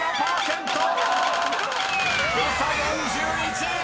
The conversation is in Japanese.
［誤差４１！］